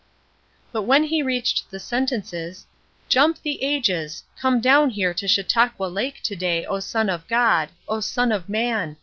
But when he reached the sentences: "Jump the ages! Come down here to Chautauqua Lake to day, O Son of God! O Son of Man!